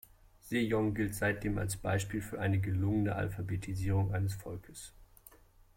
Sejong gilt seitdem als Beispiel für eine gelungene Alphabetisierung eines Volkes.